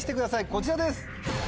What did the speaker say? こちらです！